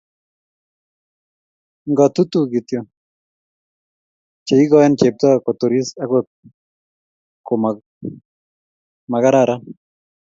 ngatutuk kityo? che ikoene chepto koturis okot to mo makararan?